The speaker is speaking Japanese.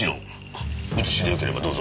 あっ写しでよければどうぞ。